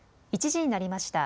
１時になりました。